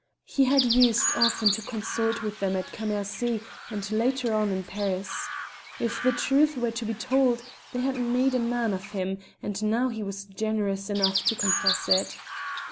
He had used often to consort with them at Cammercy, and later on in Paris. If the truth were to be told, they had made a man of him, and now he was generous enough to confess it.